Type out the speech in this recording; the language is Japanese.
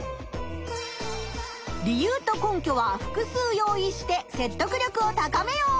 理由と根拠は複数用意してせっとく力を高めよう。